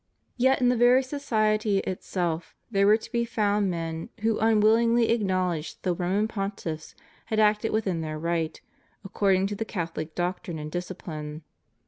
Yet in the very society itself there were to be found men who unwillingly ac knowledged that the Roman Pontiffs had acted within their right, according to the Catholic doctrine and dis cipline.